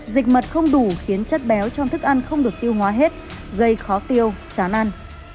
dịch mật không đủ khiến chất béo trong thức ăn không được tiêu hóa hết gây khó tiêu chán ăn